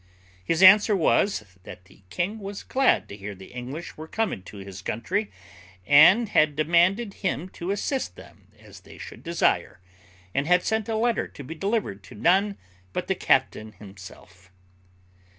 His answer was, that the king was glad to hear the English were come into his country, and had commanded him to assist them as they should desire, and had sent a letter to be delivered to none but the captain himself.